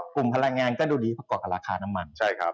กลุ่มพลังงานก็ดูดีประกอบกับราคาน้ำมัน